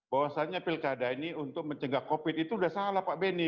bahwasannya pirkada ini untuk mencegah covid sembilan belas itu sudah salah pak benny